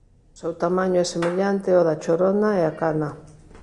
O seu tamaño é semellante ó da chorona e a cana.